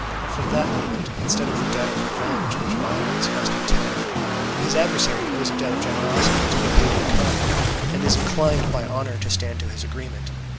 From that moment, instead of the debt of revenge which violence must entail, his adversary owes a debt of generosity to be paid in kind, and is inclined by honour to stand to his agreement.